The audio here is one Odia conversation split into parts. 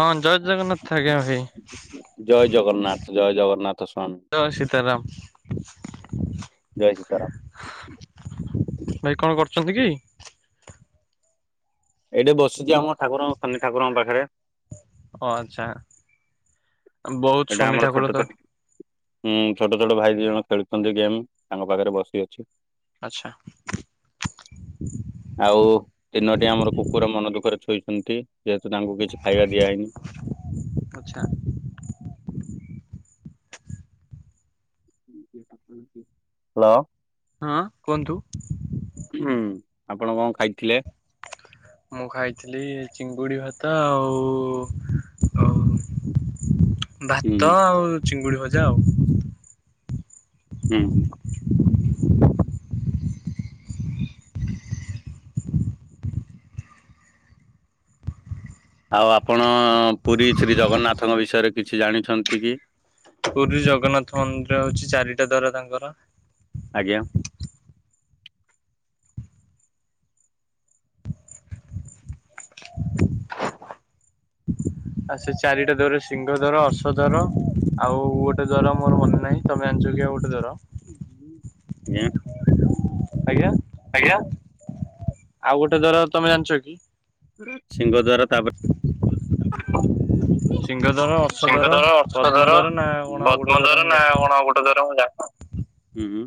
ହଁ ଜୟ ଜଗନ୍ନାଥ ଆଜ୍ଞା ଭାଇ। ଜୟ ଜଗନ୍ନାଥ ଜୟ ଜଗନ୍ନାଥ ସ୍ବାମୀ। ଜୟ ସୀତାରାମ। ଅଛନ୍ତି କି? ଏଇଠି ବସିଛି ଆମ ଠାକୁରଙ୍କ ଶନି ଠାକୁରଙ୍କ ପାଖରେ। ଓ ଆଚ୍ଛା ବହୁତ ଶନି ଠାକୁର ତ ହୁଁ ଛୋଟ ଛୋଟ ଭାଇ ଦି ଜଣ ଖେଳୁଛନ୍ତି ଗେମ୍ ତାଙ୍କ ପାଖରେ ବସି ଅଛି। ଆଚ୍ଛା। ଆଉ ତିନୋଟି ଆମର କୁକୁର ମନ ଦୁଃଖରେ ଶୋଇଛନ୍ତି। ଶୋଇଛନ୍ତି, ଯେହେତୁ ତାଙ୍କୁ କିଛି ଖାଇବା ଦିଆ ହେଇନି। ହ୍ୟାଲୋ। ହଁ କୁହନ୍ତୁ। ଆପଣ କଣ ଖାଇଥିଲେ? ମୁଁ ଖାଇଥିଲି ଚିଙ୍ଗୁଡି ଭାତ ଆଉ ଅ [inaudible] ଭାତ ଆଉ ଚିଙ୍ଗୁଡ଼ି ଭଜା ଆଉ। ହୁଁ ହଁ। ଆଉ ଆପଣ ପୁରୀ ଶ୍ରୀ ଜଗନ୍ନାଥଙ୍କ ବିଷୟରେ କିଛି ଜାଣିଛନ୍ତି କି? ପୁରୀ ଜଗନ୍ନାଥ ମନ୍ଦିର ହଉଛି ଚାରିଟା ଦ୍ଵାର ତାଙ୍କର। ଆଜ୍ଞା। [inaudible] [inaudible] ଆଉ ସେ ଚାରିଟା ଦ୍ୱାର ସିଂହଦ୍ୱାର ଅଶ୍ଵଦ୍ୱାର ଆଉ ଗୋଟେ ଦ୍ୱାର ମୋର ମନେ ନାହିଁ ତମେ ଜାଣିଛ କି? ଗୋଟେ ଦ୍ୱାର ଆଜ୍ଞା ଆଜ୍ଞା। ଆଉ ଗୋଟେ ଦ୍ୱାର ତମେ ଜାଣିଛ କି? ସିଂହଦ୍ୱାର ତାପରେ [inaudible] ସିଂହଦ୍ୱାର ଅର୍ଥଦ୍ୱାର ପଦ୍ମଦ୍ୱାର ନା କଣ ଆଉ ଗୋଟେ ଦ୍ୱାର ମୁଁ ଜାଣିନି। ହୁଁ ହୁଁ।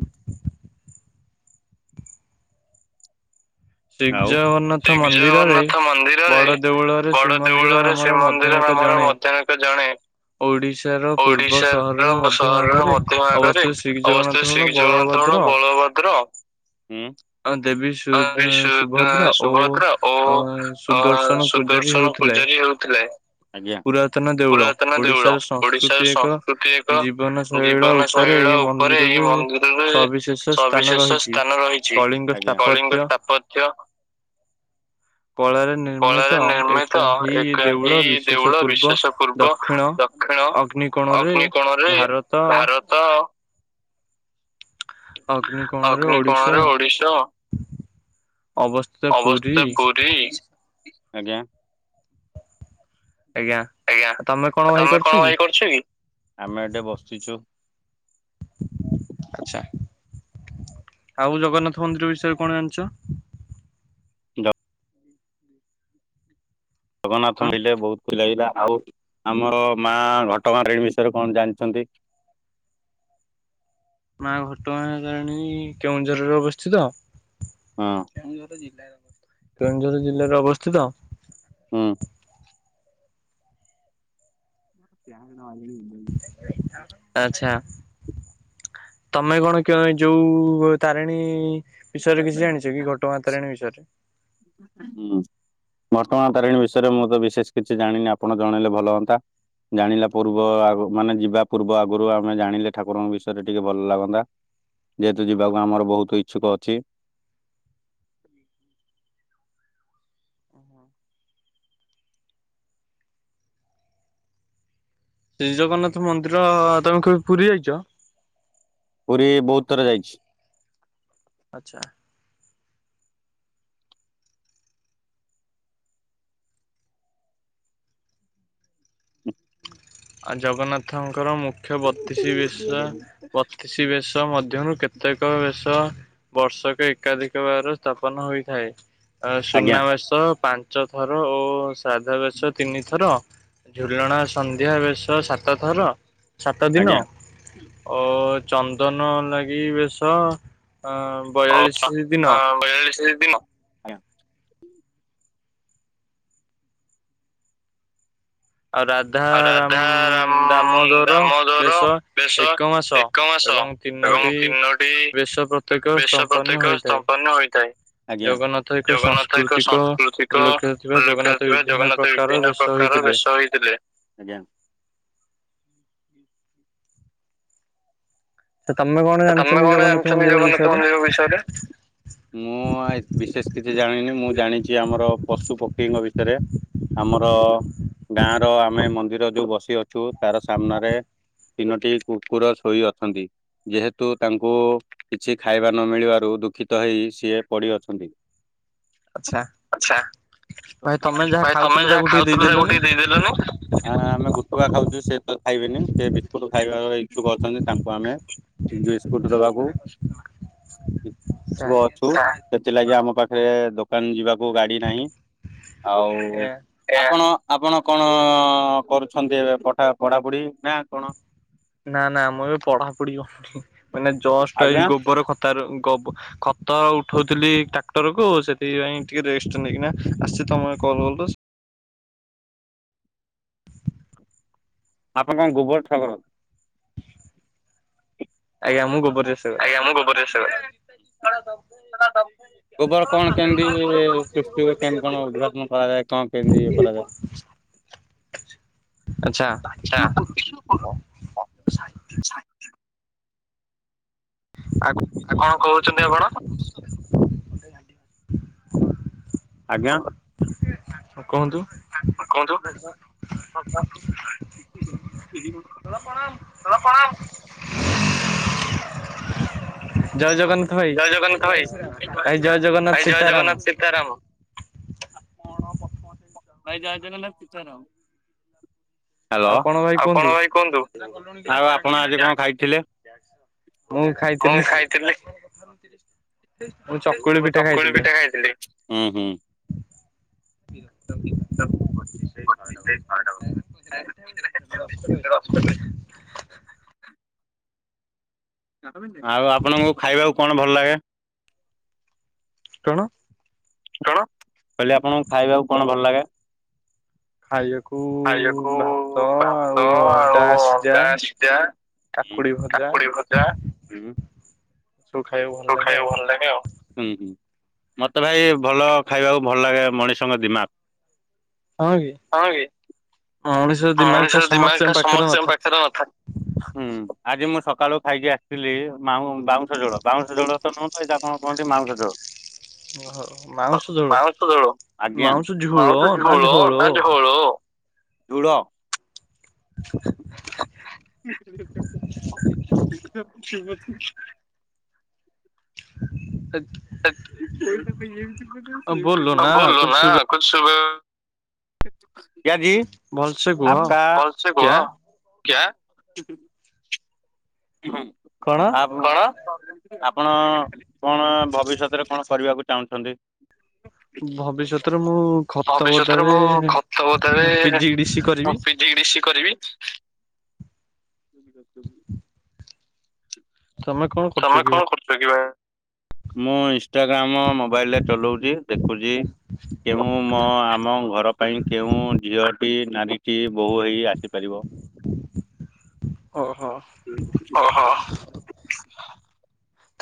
ଆଉ ଶ୍ରୀ ଜଗନ୍ନାଥ ମନ୍ଦିରରେ ବଡ ଦେଉଳରେ ଶ୍ରୀମନ୍ଦିର ଆମର ମଧ୍ୟମିକ ଜଣେ ଓଡିଶାର ସହରରେ ମଧ୍ୟଭାଗରେ ଅବସ୍ଥିତ ଶ୍ରୀଜଗନ୍ନାଥ କଣ ବଳଭଦ୍ର ହଉ ଦେବି ସୁ ସୁ ସୁଭଦ୍ରା ଓ ଅ ସୁଦର୍ଶନ ପୂଜାରୀ ହେଉଥିଲେ। ଆଜ୍ଞା ପୁରାତନ ଦେଉଳ ଓଡିଶାର ସଂସ୍କୃତି ଏକ ଜୀବନ ଶୈଳୀ ଦେଉଳ ଉପରେ ଏଇ ମନ୍ଦିରରେ ସବିଶେଷ ସ୍ଥାନ ରହିଛି। କଳିଙ୍ଗ ସ୍ଥାପତ୍ୟ। କଳାରେ ନିର୍ମିତ ଏକ ଏଇ ଦେଉଳ ବିଶେଷ ପୂର୍ବ ଦକ୍ଷ ଦକ୍ଷିଣ ଅଗ୍ନିକୋଣରେ ଭାରତ ଅଗ୍ନିକୋଣରେ ଓଡିଶ ଅବସ୍ଥା ପୁରୀ, ଆଜ୍ଞା। ଆଜ୍ଞା ତମେ କଣ ଭାଇ କରୁଛ କି? ଆମେ ଏଠି ବସିଛୁ। ଆଚ୍ଛା। ଆଉ ଜଗନ୍ନାଥ ମନ୍ଦିର ବିଷୟରେ କଣ ଜାଣିଛ? ଜଗ ଜଗନ୍ନାଥ ମନ୍ଦିରରେ ବହୁତ ଲାଗିଲା ଆଉ ଆମର ମା ଘଟଗାଁ ତାରିଣୀ ବିଷୟରେ କଣ ଜାଣିଛନ୍ତି। [inaudible] ମା ଘଟଗାଁ ତାରିଣୀ କେଉଁଝରରେ ଅବସ୍ଥିତ। କେନ୍ଦଁଝର ଜିଲ୍ଲାରେ ଅବସ୍ଥିତ। ହୁଁ। [inaudible] ତମେ କଣ ଯୋଉ ତାରିଣୀ ବିଷୟରେ କିଛି ଜାଣିଛ କି ଘଟ ତାରିଣୀ ବିଷୟରେ। ହୁଁ। ଘଟଗାଁ ତାରିଣୀ ବିଷୟରେ ମୁଁ ତ ବିଶେଷ କିଛି ଜାଣିନି ଆପଣ ଜଣେଇଲେ ଭଲ ହଅନ୍ତା। ଜାଣିଲା ପୂର୍ବ ମାନେ ଯିବା ପୂର୍ବ ଆଗରୁ ଆମେ ଜାଣିଲେ ଠାକୁରଙ୍କ ବିଷୟରେ ଟିକେ ଭଲ ଲାଗନ୍ତା। ଯେହେତୁ ଯିବାକୁ ଆମର ବହୁତ ଇଚ୍ଛୁକ ଅଛି। ଶ୍ରୀ ଜଗନ୍ନାଥ ମନ୍ଦିର ତମେ କେ ପୁରୀ ଯାଇଛ। ମୁବି ବହୁତ ଥର ଯାଇଛି। ଆଚ୍ଛା। ଆ ଜଗନ୍ନାଥ। ଙ୍କର ମୁଖ୍ୟ ବତିଶ ବେଶ ମଧ୍ୟରୁ କେତ ପ୍ରତ୍ୟେକ ବେଶ ବର୍ଷକ ଏକାଧିକ ବାର ସ୍ଥାପନ ହୋଇଥାଏ। ସୁନାବେେଶ ପାଞ୍ଚ ଥର ଓ ଶ୍ରଧା ବେଶ ତିନି ଥର। ଝୁଲଣା ସନ୍ଧ୍ୟା ବେଶ ସାତ ଥର ସାତ ଦିନ ଓ ଚନ୍ଦନ ଲାଗି ବେଶ ଅ ବୟାଳିଶ ଦିନ। ଦିନ ଆଜ୍ଞା। ଆଉ ରାଧ ରାମ ଦାମୋଦର ବେଶ ଏକ ମାସ। ଏବଂ ତିନୋଟି ବେଶ ପ୍ରତ୍ୟେଖ ସ୍ପନ ହୋଇଥାଏ ଆଜ୍ଞା। ଜଗନ୍ନାଥ ଏକ ସଂସ୍କୃତିକ ଲକ୍ଷ୍ୟରେ ଥିବା ଜଗନ୍ନାଥ ବିଭିନ୍ନ ପ୍ରକାର ବେଶ ହେଇଥିଲେ। ଆଜ୍ଞା। ତ ତମେ କଣ ଜାଣିଛନ୍ତି ଜଗନ୍ନାଥ ମନ୍ଦିର ବିଷୟରେ। ମୁଁ ବିଶେଷ କିଛି ଜାଣିନି ମୁଁ ଜାଣିଛି ଆମର ପଶୁ ପକ୍ଷୀଙ୍କ ବିଷୟରେ। ଆମର ଗାଁ ର ଆମେ ମନ୍ଦିର ଯୋଉ ବସି ଅଛୁ ତାର ସାମ୍ନାରେ। ତିନୋଟି କୁକୁର ଶୋଇ ଅଛନ୍ତି ଯେହେତୁ। କିୁ ତାଙ୍କୁ କିଛି ଖାଇବା ନ ମିଳିବାରୁ ଦୁଃଖିତ ହେଇ ସିଏ ପଡି ଅଛନ୍ତି। ଆଛା। ଆଛା ଭାଇ ତମେ ଯାହା ଖାଉଥିଲ ସେ ଗୋ ଟିକେ ଦେଇଦେଲନି। କା ଖାଉଛୁ ସେ ତ ଖାଇବେନି ସେ ବିସ୍କୁଟ ଖାଇବାାର ଇଚ୍ଛୁକ ଅଛନ୍ତି ତାଙ୍କୁ ଆମେ ସ୍କୁଟ ଦବାକୁ ଅଛୁ ସେଥିଲାଗି ଆମ ପାଖ ପାଖରେ ଦୋକାନ ଯିବାକୁ ଗାଡି ନାହିଁ ଆଉ ଆପଣ ଆପଣ କଣ କରୁଛନ୍ତି ଏବେ ପା ପଢାପଢି ନା କଣ। ନା ନା ମୁଁ ଏବେ ପଢାପଢି କରହୁନି ମାନେ ଜଷ୍ଟ ଏ ଗୋବର ଖତ ର ଗୋବର। ଖତ ଉଠାଉଥିଲି ଟ୍ରାକ୍ଟରକୁ ସେଥିପାଇଁ ଟିକେ ରେଷ୍ଟ ନେଇକିନା ଆସିଛି ତମେ କଲ୍ କଲ। ହ ଆପଣଙ୍କଣ ଗୋବାର ଶଗଡ଼। ଆଜ୍ଞା ମୁଁ ଗୋବର। ଆଜ୍ଞା ମୁଗବର ଚାଷ କରେ। ସାଲା ଦବୁନିତ ଯିଵିକେମିତି। ଗୋବର କଣ କେମିତି ପୃଷ୍ରେ କେମିତି କଣ ଉଦ୍ଭାବନ କରାଯାଏ କଣ କେମିତି ପତା କରା। ଆଛା। ଆଉ କଣ କହୁଛନ୍ତି ଆପଣ। ହ ଆଜ୍ଞା କହନ୍ତୁ। [unintelligible] କଣ ଜୟ ଜଗନ୍ନାଥ ଭାଇ ଭାଇ ଜୟ ଜଗନ୍ନାଥ ସୀତାରାମ। ଭାଇ ଜୟ ଜଗନ୍ନାଥ ଚର। ହାଲୋ ଆପଣ ଭାଇ କୁହନ୍ତୁ ଆଉ ଆପଣ ଆଜି କଣ ଖାଇଥିଲେ? ମୁଁ ଏଇ ଖାଇଥିଲି ମୁଁ ଚକୁଳି ପିଠା ଖାଇ [unintelligible] [unintelligible] ଆଉ ଆପଣଙ୍କୁ ଖାଇବାକୁ କଣ ଭଲ ଲାଗେ? କଣ? କଣ କହିଲି ଆପଣଙ୍କୁ ଖାଇବାକୁ କଣ ଭଲ ଲାଗେ? ଖାଇଆକୁ ଖାଇବାକୁ ଭାତ ଆଉ ଅଣ୍ଡା ସିଯା। ଉଁ କାକୁଡି ଭଜା ହୁଁ। ତ ଖାଇବାକୁ ଭଲ ଲାଗେ ହୁଁ। ମୋତେ ଭାଇ ଭଲ ଖାଇବାକୁ ଭଲ ଲାଗେ ମଣିଷଙ୍କ ଦିମାଗ। ହଁ କି ହଁ ମଣିଷ ଦିମାଗ ଟା ସମସ୍ତଙ୍କ ପାଖରେ ନଥା ଆଜି ମୁଁ ସକାଳୁ ଖାଇକି ଆସିଥିଲିଉ ବାଉଁଶ ଜୋଳ ବାଉଁଶ ଜୋଳ ତ ନୁହଁ ଏଇ କଣ କଣନ୍ତି ମାଉଁସ ଜୋଳ। ହଁ ମାଉସ ଝୋଳ ଆଜ୍ଞା ମାଉସ ଝୋଳ ନା ଝୋଳ ଝୁଳ [unintelligible] ସେ ହଁ ବୋଲୁନା କୁଛ ସୁବା ଦାଡି ଆପକା ଅଲସା ଗୁହ କ୍ୟା ଇ ହଁ ଆପଣ କଣ ଆପଣ କଣ ଭବିଷ୍ୟତରେ କଣ କରିବାକୁ ଚାହୁଁଛନ୍ତି ଭବିଷ୍ୟତରେ ମୁଁ ଖଥା ବତାରେ [unintelligible] କିଛି କରିବି। ତମେ କଣ କରୁଛ [unintelligible] ମୁଁ ଇଷ୍ଟାଗ୍ରାମ ମୋବାଇଲରେ ଚଲଉଚି ଦେଖୁଚି କେ ମୁ ମ ଆମ ଘର ପାଇଁ କେଉଁ ଝିଅଟି ନାରୀଟି ବୋହୂ ହେଇ ଆସିପାରିବ? ଓହୋ।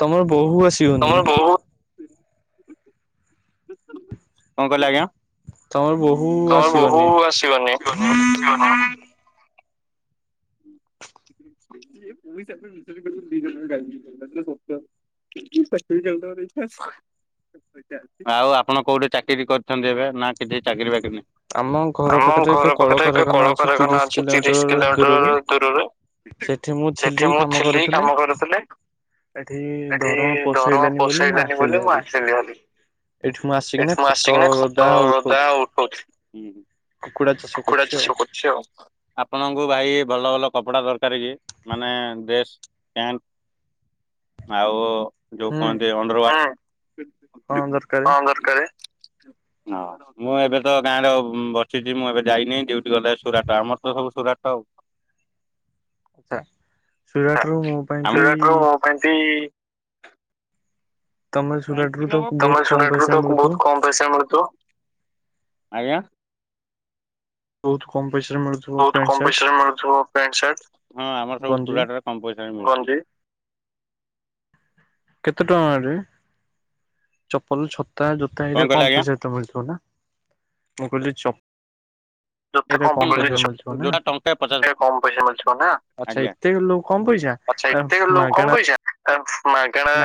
ତମର ବୋହୂ ଆସିବନି। କଣ କିହିଲେ ଆଜ୍ଞା ତମର ବୋହୁ ଆସିବନି। [unintelligible] [unintelligible] ଆଉ ଆପଣ କୋଉଠି ଚାକିରି କରିଛନ୍ତି ଏବେ ନା କିଛି ଚାକିରି ବାକିରି ଆମ ଘର ପାଖରେ ଏକ କଳକାରଖାନା ଅଛି ତିରିଶ କିଲୋମିଟର ଦୂରରେ ସେଠି ମୁଁ ଥିଲି କାମ କରୁଥିଲେ। ଏଠି ଧରମା ପୋଷେଇଲେନି ବୋଲି ମୁଁ ଆସିଲି ହାରି। ଏଠି ମୁଁ ଆସିକିନା ଖତଦା ଉଠଉଛି ଉଁ ହୁଁ। କୁକୁଡ଼ା ଚାଷ କରୁଛି ଆଉ ଆପଣଙ୍କୁ ଭାଇ ଭଲ ଭଲ କପଡ଼ା ଦରକାର କି ମାନେ ଡ୍ରେସ୍, ପ୍ୟାଣ୍ଟ ଆଉ ଯୋଉ କହନ୍ତି ଅଣ୍ଡରୱା କଣ ଦରକାର? ହଁ ମୁଁ ଏବେ ତ ଗାଁରେ ବସିଚି ମୁଁ ଏବେ ଯାଇନି ଡ୍ୟୁଟି। ଗଲେ ସୁରାଟ ଆମର ତ ସବୁ ସୁରାଟ ଆଉ। [unintelligible] ତମ ସୁରଟରେ ତ ବୋହୁତ କମ୍ ପଇଷାରେ ମିଳୁଥିବ। ଆଜ୍ଞା‌। ବୋହୁତ କମ୍ ପଇଷାରେ ମିଳୁଥିବ। ବୋହୁତ କମ୍ ପଇଷାରେ ମିଳୁଥିବ ପ୍ୟାଣ୍ଟ, ସାର୍ଟ ହଁ ଆମର ସବୁ ସୁରଟରେ କମ୍ ପ‌ଇଷାରେ ମିଳୁଚି କେତେ ଟଙ୍କାରେ ଚପଲ, ଛତା, ଜୋତା ଏଇରା କମ୍ ପଇଷାରେ ମିଳଥିବ ନା? ମୁଁ କହିଲି ଚ [unintelligible] କମ୍ ପଇଷାରେ ମିଳୁଥିବ ନା ଆଜ୍ଞା ଆଚ୍ଛା ଏତେ ଲୋ କମ୍ ପଇଷା। ମାଗଣା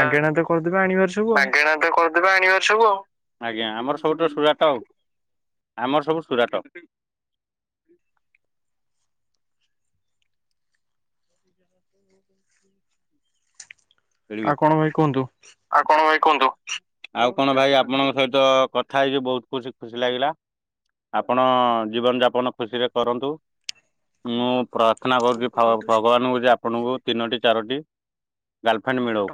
ମାଗଣା ତ କରିଦେବେ ଆଣିବଭାରି ସବୁ ଆଉ। ଆଜ୍ଞା ଆମର ସବୁଠୁ ସୁରାଟ ଆଉ ଆମର ସବୁ ସୁରାଟ। ଆଉ କଣ ଭାଇ କୁହନ୍ତୁ? ଆଉ କଣ ଭାଇ ଆପଣଙ୍କ ସହିତ କଥା ହେଇକି ବୋହୁତୁ ଖୁସି ଲାଗିଲା। ଆପଣ ଜୀବନ ଯାପନ ଖୁସିରେ କରନ୍ତୁ ମୁଁ ପ୍ରାର୍ଥନା କରୁଚି ଫଳ ଭଗବାନଙ୍କୁ ଯେ ଆପଣଙ୍କୁ ତିନୋଟି ଚାରୋଟି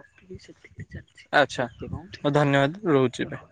ଆଚ୍ଛା ହୋଉ ଧନ୍ୟବାଦ ରହୁଚି ଏବେ।